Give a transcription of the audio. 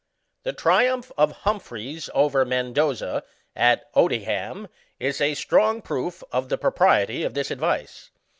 The triumph of Hum PHREYS over Mendoza, at Odiham, is a strong proof of the propriety of this advice.